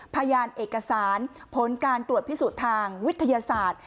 พยานเอกสารผลการตรวจพิสูจน์ทางวิทยาศาสตร์